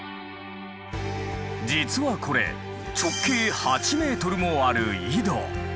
実はこれ直径８ｍもある井戸。